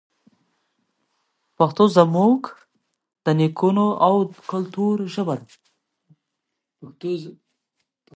پښتو زموږ د نیکونو او کلتور ژبه ده.